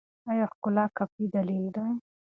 ایا ښکلا کافي دلیل دی؟